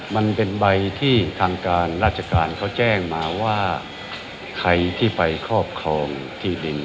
มันเป็นใบที่ทางการราชการเขาแจ้งมาว่าใครที่ไปครอบครองที่ดิน